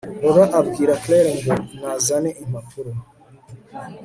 laurent abwira claire ngo nazane impapuro